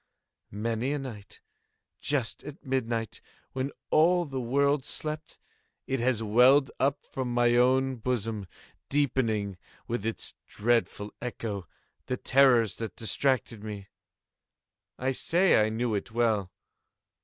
Many a night, just at midnight, when all the world slept, it has welled up from my own bosom, deepening, with its dreadful echo, the terrors that distracted me. I say I knew it well.